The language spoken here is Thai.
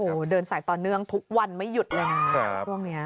โอ้โหเดินสายต่อเนื่องทุกวันไม่หยุดเลยนะครับครับตรงเนี้ย